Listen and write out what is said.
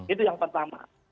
itu yang pertama